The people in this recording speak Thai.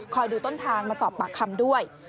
ดูต้นทางมาสอบปากคำด้วย